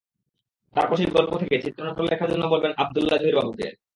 তারপর সেই গল্প থেকে চিত্রনাট্য লেখার জন্য বললেন আবদুল্লাহ জহির বাবুকে।